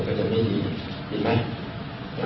ก็จะไม่ดีดีไหม